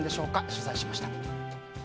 取材しました。